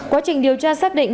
quá trình điều tra xác định